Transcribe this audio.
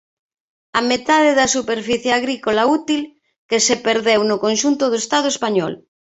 A metade da superficie agrícola útil que se perdeu no conxunto do Estado español.